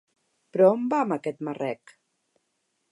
Però on va amb aquest marrec?